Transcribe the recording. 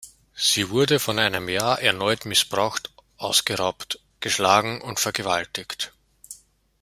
Sie wurde vor einem Jahr erneut missbraucht ausgeraubt, geschlagen und vergewaltigt.